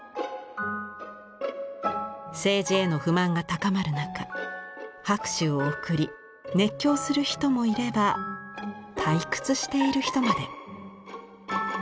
政治への不満が高まる中拍手を送り熱狂する人もいれば退屈している人まで。